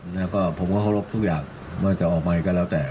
แล้วก็ผมขอรบทุกอย่างไม่ควรกลดลาไปพยายาม